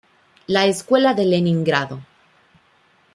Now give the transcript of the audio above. La Escuela de Leningrado".